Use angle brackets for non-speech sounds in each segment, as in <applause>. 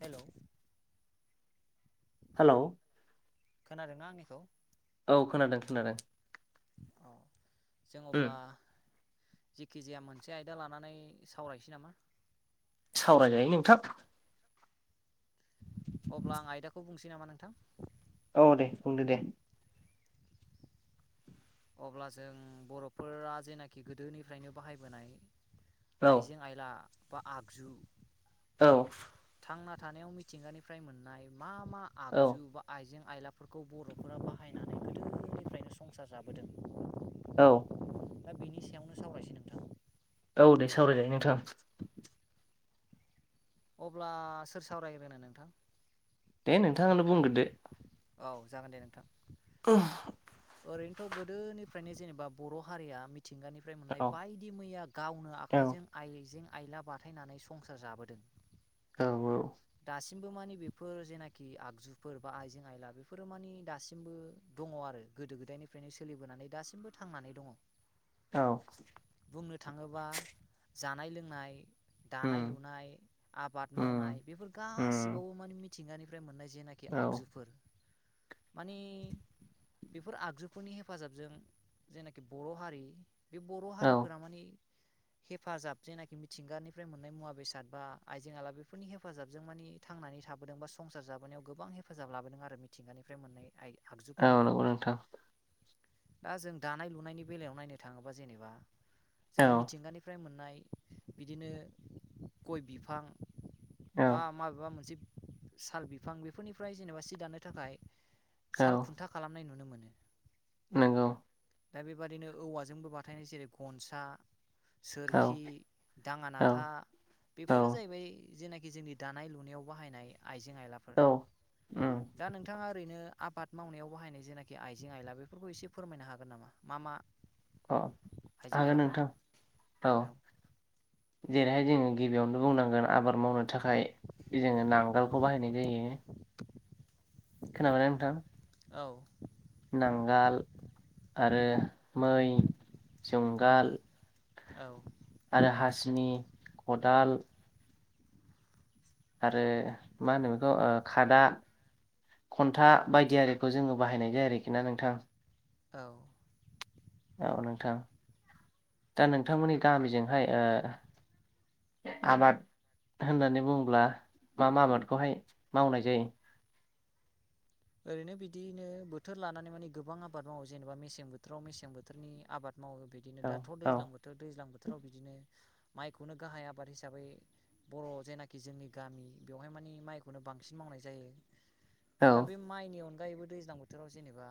Hello hello खोनादोंना आंनिखौ औ खोनादों खोनादों औ जों उम अब्ला जिखिजाया मोनसे आयदा लानानै सावरायसै नामा सावरायजायो नोंथां अब्ला आं आयदाखौ बुंसै नामा नोंथां अ दे बुंदो दे अब्ला जों बर'फोरा जेनाखि गोदोनिफ्रायनो बाहायबोनाय औ आइजें आइला बा आगजु औ थांना थानायाव मिथिंगानिफ्राय मोननाय मा मा औ आगजु बा आइजें आइलाफोरखौ बर'फोरा बाहायनानै गोदोनिफ्रायनो संसार जाब औ दा बेनि सायावनो सावरायसै नोंथां औ दे सावरायजायो नोंथां अब्ला सोर सावरायग्रोनो नोंथां दे नोंथांनो बुंग्रोदो औ जागोन दे नोंथां ओह ओरैनोथ' गोदोनिफ्रायनो जेनेबा बर' हारिया मिथ मिथिंगानिफ्राय मोननाय औ बायदि मैया गावनो औ आखाइजों आइजें आइला बाथायनानै संसार जाबोदों औ औ सिमबो मानि बेफोर जेनाखि आगजुफोर बा आइजें आयला बेफोरो मानि दासिमबो दङ आरो गोदो गोदायनिफ्रायनो सोलिबोनानै दासिमबो थांनानै दङ औ बुंनो थाङोबा जानाय लोंनाय दानाय उम लुनाय आबाद मावनाय उम बेफोर उम गासिबावबो माने मिथिंगानिफ्राय मोननाय जेनाखि औ आगजुफोर मानिे बेफोर आगजुफोरनि हेफाजाबजों जेनाखि बर' हारि बे बर' औ हारिफोरा माने हेफाजाब जेनाखि मिथिंगानिफ्राय मोननाय मुवा बेसाद बा आइजें आला बेफोरनि हेफाजाबजों मानि थांनानै। थाबोदों बा संसार जोनायाव गोबां हेफाजाब लाबोदों आरो मिथिंगानिफ्राय मोननाय आयदा। औ नंगौ नोंथां दा जों दानाय लुनायनि बेलायाव नायनो थाङोबा जेनेबा औ जों मिथिंगानिफ्राय मोन। नाय बिदिनो गय बिफां औ बा माबेबा मोनसे। साल बिफां बेफोरनिफ्राय जेनेबा सि दानो थाखाय औ साल खुन्था खालामनाय नुनो मोनो। नंगौ दा बेबादिनो औवाजोंबो बाथायनाय जेरै गनसा। औ सोरखि औ दाङानाथा औ बेफोरो जाहैबाय। जेनाखि जोंनि दानाय लुनायाव बाहायनाय आइजें आइलाफोर औ उम दा नोंथांङा। ओरैनो आबाद मावनायाव बाहायनाय जेनाखि आइजें आइला बेफोरखौ एसे फोरमायनो हागोन नामा मा मा? अ आइजें हागोन आइलाफ्रा नोंथां औ जेरैहाय जोङो गिबियावनो बुंनांगोन आबाद मावनो थाखाय। जोङो नांगोलखौ बाहायनाय जायो। खोनाबायना नोंथां? औ नांगाल आरो मै जुंगाल। औ आरो हासिनि औ खदाल आरो मा होनो बेखौ खादा। खन्था बायदियारिखौ जोङो बाहायनाय जायो आरोखि ना नोंथां? औ औ नोंथां दा नोंथांमोननि गामिजोंहाय ओ आबाद होननानै बुंङोब्ला मा आबादखौहाय मावनाय जायो? ओरैनो बिदिनो बोथोर लानानै मानि गोबां आबाद मावो जेनेबा मेसें बोथोराव मेसें बोथोरनि आबाद। मावो बिदिनो औ दाथ' औ दैज्लां बोथोर दैज्लां बोथोर। बोथोराव बिदिनो माइखौनो गाहाय आबाद हिसाबै बर' जेनाखि जोंनि गामि बेवहाय माने। माइखौनो बांसिन मावनाय जायो। औ दा बे माइनि अनगायैबो दैज्लां बोथोराव जेनेबा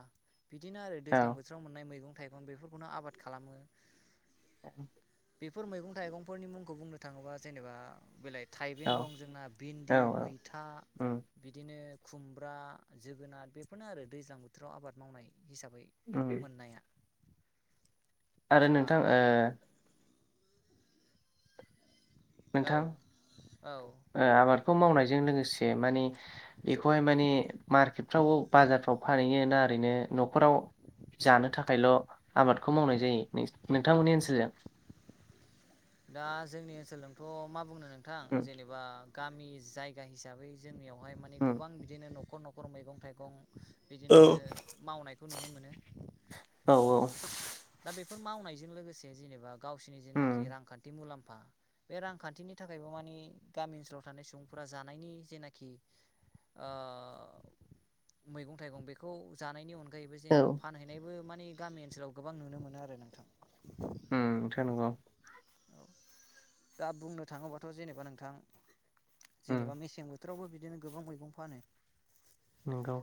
बिदिनो आरो औ दैज्लां बोथोराव मोननाय मैगं। मगं थाइगं बेफोरखौनो आबाद खालामो। औ <unintelligible> बेफोर मैगं थाइगंफोरनि मुंखौ बुंनो थाङोबा जेनेबा बेलाइ। औ थाइबें दं जोंना औ भिन्दि औ मैथा उम बिदिनो खुमब्रा। जोगोनार बेफोरनो आरो दैज्लां बोथोराव आबाद मावनाय हिसाबै उम मोननाया। आरो दा नोंथां ओ औ नोंथां औ आबादखौ मावनायजों लोगोसे मानि बेखौहाय माने मार्केटफ्राव बाजारफ्राव फ। फानैहैयो ना ओरैनो न'खराव जानो थाखायल' आबादखौ मावनाय जायो नोंथांमोननि ओनसोलजों? दा जोंनि ओनसोलजोंथ' मा बुंनो नोंथां उम जेनेबा। गामि जायगा हिसाबै जोंनियावहाय मा‌ने उम गोबां बिदिनो न'खर न'खर मैगं थाइगं। औ बिदिनो मावनायखौ नुनो मोनो। औ दा बेफोर मावनायजों लोगोसे जेनेबा गावसिरनि जेनाखि उम रांखान्थि मुलाम्फा। बे रांखान्थिनि थाखायबो मानि गामि ओनसोलाव थानाय सुबुंफोरा जानायनि जेनाखि। ओ मैगं थाइगं बेखौ जानायनि अनगा। गैबो औ जेनेबा फानहैनायबो माने गामि ओनसोलाव गोबां नुनो मोनो आरो नोंथां। थनोग <unintelligible> दा बुंनो थाङोबाथ' जेनेबा नोंथां उम जेनेबा मेसें बोथोर। बोथोरावबो बिदिनो गोबां मैगं फानो नंगौ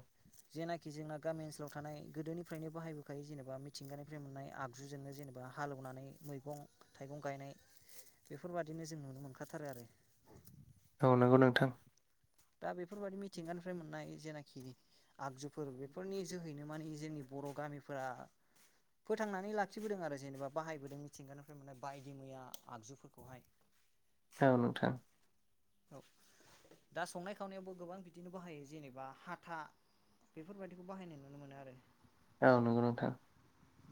जेनाखि जोंना गामि ओनसोलाव थानाय गोदोनिफ्रायनो बाहायबोखायो जेनेबा मिथिंगानिफ्राय मोननाय आगजुजोंनो जेनेबा हालेवनानै मैगं थाइगं गायनाय बेफोरबादिनो जों नुनो मोनखाथारो आरो औ नंगौ नोंथां दा बेफोरबायाददि मिथिंगानिफ्राय मोननाय जेनाखि आगजुफोर बेफोरनि जोहैनो माने जोंनि बर' गामिफोरा फोथांनानै लाखिबोदों आरो जेनेबा बाहायबोदों मिथिंगानिफ्राय बायदि मैया आगजुफोरखौहाय औ नोंथां औ दा संनाय खावनायावबो गोबां बिदिनो बाहायो जेनेबा हाथा बेफोरबायदिखौ बाहायनाय नुनो मोनो आरो औ नंगौ नोंथां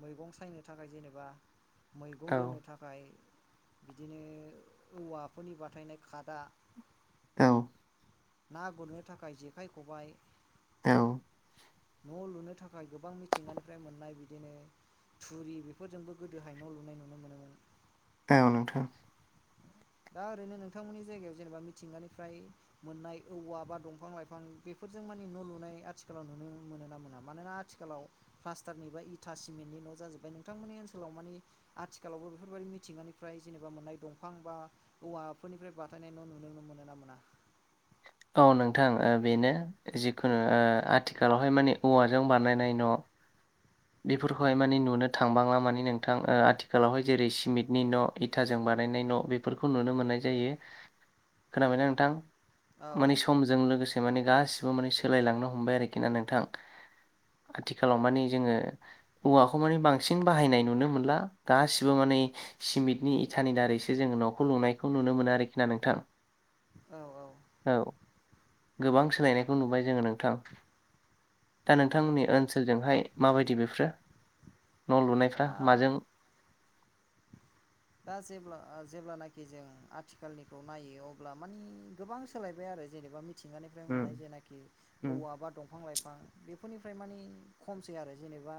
मैगं सायनो थाखाय जेनेबा मैगं औ दोननो थाखाय बिदिनो औवाफोरनि बाथायनाय खादा औ ना गुरनो थाखाय जेखाइ खबाय औ न' लुनो थाखाय गोबां मिथिंगानिफ्राय मोननाय बिदिनो थुरि बेफोरजोंबो गोदोहाय न' लुनाय नुनो मोनोमोन औ नोंथां दा ओरैनो नोंथांमोननि जायगायाव जेनेबा मिथिंगानिफ्राय मोननाय औवा बा दंफां लाइफां बेफोर जों मानि न' लुनाय आथिखालाव नुनो मोन ना मोना मानोना आथिखालाव प्लासटारनिबा इथा सिमेन्टनि न' जोब्बाय नोंथांमोननि ओनसोलाव मानि आथिखालावबो बेफोरबायदि मिंथिंगानिफ्राय जेनेबा मोननाय दं दंफां बा औवाफोरनिफ्राय बथायनाय न' नुुनो मोनो ना मोना औ नोंथां बेनो जिखुनु आथिखालावहाय मानि औवाजों बानायनाय न' बेफोरखौहाय माने नुनो थांबांला माने नोंथां आथिखालावहाय जेरै सिमेन्टनि न' इथाजोंबा बानायनाय न' बेफोरखौ नुनो मोननाय जायो खोनाबायना नोंथां औ माने समजों लोगोसे माने गासिबो माने सोलायलांनो हमबाय आरोखि ना नोंथां आथिखालाव माने जोङो औवाखौ माने बांसिन बाहायनाय नुनो मोनला गासिबो माने सिमेन्टनि इथानि दारै बेसो जोङो न'खौ लुनायखौ नुनो मोनो आरोखि ना नोंथां औ औ गोबां सोलायनायखौ नुबाय जोङो नोंथां दा औ नोंथांमोननि ओनसोलजोंहाय माबायदि बेफ फोरो न' लुनायफ्रा दा माजों? दा जेब्ला ओ जेब्लानाखि जों आथिखालनिखौ नायो अब्ला मानि गोबां सोलायबाय आरो जेनिबा मिथिंगानिफ्राय उम मोननाय जेंनाखौ उम औवा बा दंफां बिफां बेफोरनिफ्राय मानि खमसै आरो जेनेबा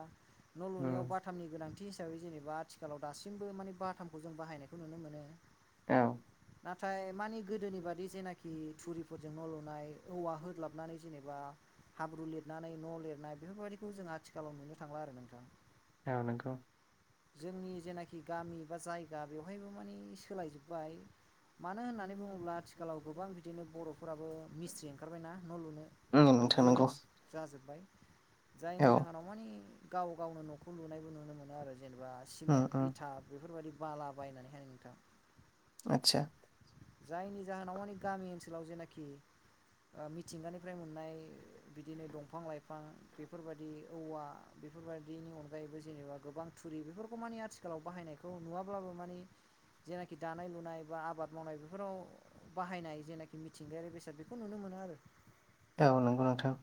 न' लुनायाव उम बाथामनि गोनांथि थि हिसाबै जेनेबा आथिखालाव दासिमबो माने बाथामखौ जों बाहायनायखौ नुनो मोनो औ नाथाय मानि गोदोनि बादि जेनाखि थुरिफोरजों न' लुनाय औवा होग्लाबनानै जेनेबा हाब्रु लिरनानै न' लिरनाय बेफोरबायदिखौ जों आथिखालाव नुनो थांला आरो नोंथां औ नंगौ जोंनि जेनाखि गामि बा जायगा बेवहायबो मानि सोलायजोब्बाय मानो होननानै बुङोब्ला आथिखालाव गोबां बिदिनो बर'फोराबो मिस्थ्रि ओंखारबायना न' नंगौ लुनो नोंथां गोरों नंगौ जाजोब्बाय औ जायनि जाहोनाव मानि गाव गावनो न'खौ लुनायबो नुनो मोनो आरो बा उम सिमेन्ट उम इथा बेफोरबायाददि बाला बायनानैहाय नोंथां आतसा जायनि जाहोनाव मानि गामि ओनसोलाव जेनाखि मिथिंगानिफ्राय मोननाय बिदिनो दंफां लाइफां बेफोरबायदि औवा बेफोरबायदिनि अनगायैबो जेनेबा गोबां थुरि बेफोरखौ मानि आथिखालाव बाहायनायखौ नुवाब्लाबो मानि जेनाखि दानाय-लुनाय बा आबाद मावनाय बेफोराव बाहायनाय जेनाखि मिथिंगायारि बेसाद बेखौ नुनो मोनो आरो औ नंगौ नोंथां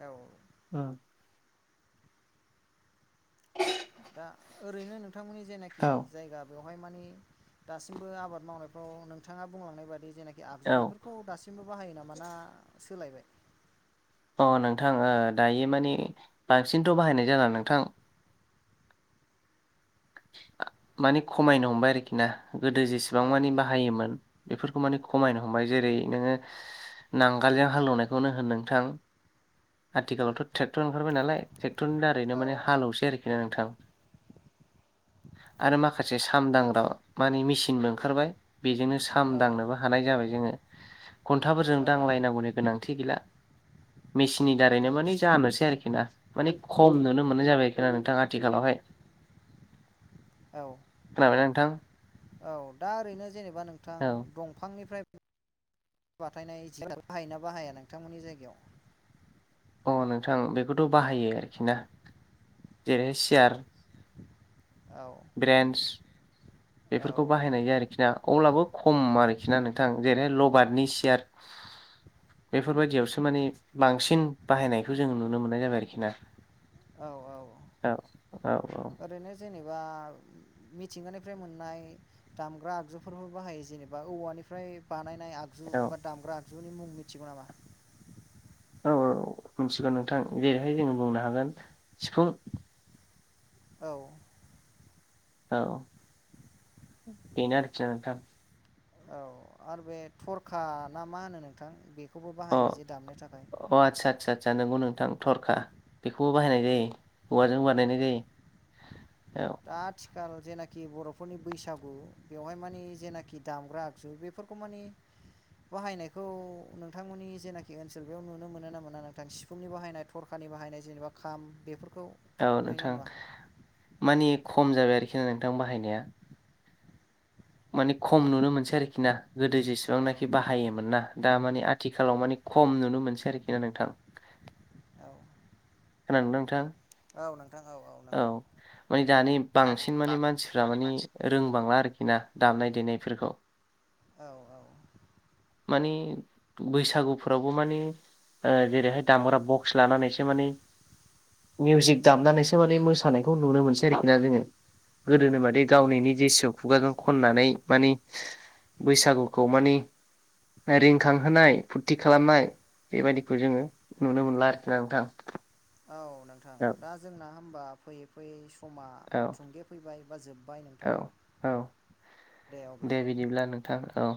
औ ओ दा ओरैनो नोंथांमोननि औ जेनाखि जायगा बेयाव बेहाय मानि दासिमबो आबाद मावनायफ्राव नोंथाङा बुंलांनाय बायदि जेनाखि औ आगजु बेफोरखौ दासिम बो बाहायो नामा? ना सोलायबाय। अ नोंथां दायो माने बांसिनथ' बाहायनाय जाला नोंथां। माने खमायनो हमबाय आरोखि ना गोदो जेसेबां औ मानि बाहायोमोन बेफोरखौ माने खमायनो हमबाय जेरै नोङो नांगालजों हालेवनायखौनो होन नोंथां। आथिखालावथ' ट्रेक्टर ओंखारबाय नालाय। ट्रेक्टरनि औ दारैनो माने हालौसै आरोखि ना नोंथां। आरो माखासे साम दांग्रा माने मेचिनबो ओंखारबाय। बेजोंनो साम दांनोबो हानाय जाबाय जोङो खन्थाफोरजों औ दांलायनांगौनि गोनांथि गैला। मेचिननि दारैनो माने जानोसै आरोखि ना माने खम नुनो मोननाय जाबायखा ना नोंथां आथिखालावहाय। औ खोनाबायना नोंथां औ दा ओरैनो जेनेबा नोंथां औ दंफांनिफ्राय बाथायनाय जि <inaudible> बाहायो ना बाहाया नोंथांमोननि जायगायाव? अ नोंथां बेखौथ' बाहायो आरोखि ना जेरैहाय सियार औ ब्रेन्स औ बेफोरखौ बाहायनाय जायो आरोखि ना अब्लाबो खम आरोखि ना नोंथां जेरैहाय लबारनि सियार बेफोरबायदियावसो माने बांसिन बाहायनायखौ जोङो नुनो मोननाय जाबाय आरोखि ना। औ औ औ औ! बा मिथिंगानिफ्राय मोननाय दामग्रा आगजुफोरफोरबो बाहायो जेनेबा औवानिफ्राय बानाय नाय आगजु औ बा दामग्रा आगजुनि मुं मिथिगौ नामा? औ औ मिथिगौ नोंथां जेरैहाय जोंङो बुंनो हागोन सिफुं औ! औ बेनो आरखि ना नोंथां। औ आरो बे थरखा ना मा होनो? नोंथां बे अ अ आतसा आसा आसा आतसा नोंगौ नों थां थरखा बेखौबो बाहायनाय जायो औवाजों औ बानायनाय जायो। औ दा आथिखाल जेना खि बर'फोरनि बैसागु बेवहाय मानि जेनाखि दामग्रा आगजु बेफोरखौ मानि बाहायनायखौ नोंथांमोननि जेनाखि ओनसोल बेयाव नुनो मोनो ना मोना? नोंथां सिफुंनि बाहायनाय थरखा नि बाहायनाय जेनेबा खाम बेफोरखौ। औ नुयोना नोंथां नुवा मानि खम जाबाय आरोखि ना नोंथां बाहायनाया। माने खम नुनो मोनसै आरोखि ना। गोदो औ जेसेबांनाखि बाहायोमोन ना दा मानि आथिखालाव मानि खम नुनो मोनसै आरोखि ना नोंथां। औ। खोनादों ना नोंथां? औ नोंथां औ नंगौ माने दानि दानि बांसिन माने बां मानसिफ्रा माने मानसि रोंबांला आरोखि ना दामनाय देनायफोरखौ औ औ। मानि बैसागुफोरावबो मानि जेरैहाय दामग्रा बक्स लानानैसो मानि मिउजिक दामनानैसो मानि मोसानायखौ नुनो मोनसै आरोखि ना जोङो गोदोनो बादि गावनि निजिस खुगाजों खननानै मानि बैसागुखौ मानि रिंखांहोनाय फुरथि खालामनाय बेबायदिखौ जोङो नुनो मोनला आरोखि नोंथां। औ नोंथां दा जोंना होमबा फैयै फैयै समा औ थुंगे फैबाय बा जोब औ औ दे बिदिब्ला नोंथां औ।